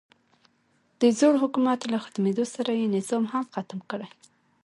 د زوړ حکومت له ختمېدو سره یې نظام هم ختم کړی.